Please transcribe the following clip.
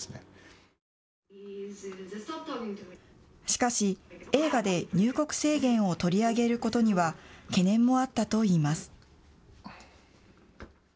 しかし映画で入国制限を取り上げることには懸念もあったといいます。